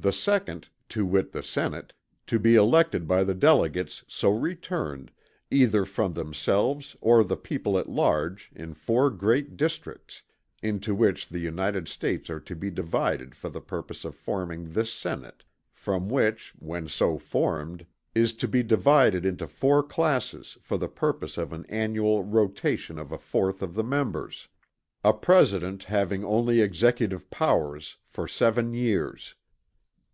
The second, to wit the senate, to be elected by the delegates so returned, either from themselves or the people at large, in four great districts, into which the United States are to be divided for the purpose of forming this senate from which, when so formed, is to be divided into four classes for the purpose of an annual rotation of a fourth of the members. A president having only executive powers for seven years."